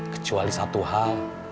kecuali satu hal